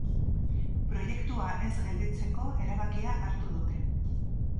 Proiektua ez gelditzeko erabakia hartu dute.